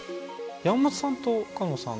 山本さんと岡野さん